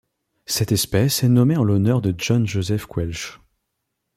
Cette espèce est nommée en l'honneur de John Joseph Quelch.